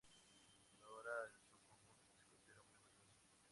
La obra en su conjunto se considera muy valiosa.